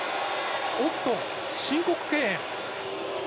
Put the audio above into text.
おっと申告敬遠。